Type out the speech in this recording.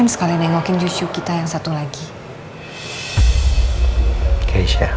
makasih ya kak